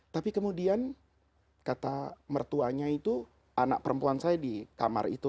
tapi kemudian kata mertuanya itu anak perempuan saya di kamar itu